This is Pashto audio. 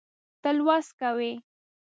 ته لوست کوې